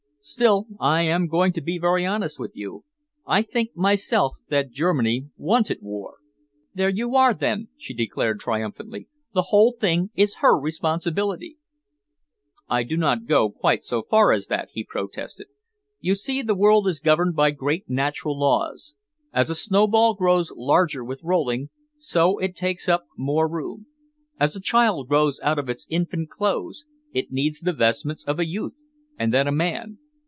Still, I am going to be very honest with you. I think myself that Germany wanted war." "There you are, then," she declared triumphantly. "The whole thing is her responsibility." "I do not quite go so far as that," he protested. "You see, the world is governed by great natural laws. As a snowball grows larger with rolling, so it takes up more room. As a child grows out of its infant clothes, it needs the vestments of a youth and then a man.